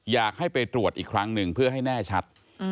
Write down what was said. อยากให้ไปตรวจอีกครั้งหนึ่งเพื่อให้แน่ชัด